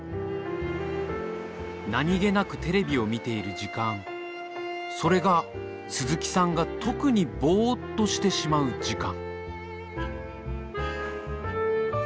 何気なくテレビを見ている時間それが鈴木さんが特にボーッとしてしまう時間。